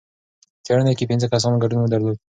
څېړنې کې پنځه کسانو ګډون درلود.